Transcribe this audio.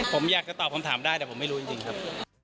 ผมอยากจะตอบคำถามได้แต่ผมไม่รู้จริงครับ